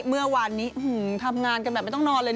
เมื่อวานนี้ทำงานกันแบบไม่ต้องนอนเลย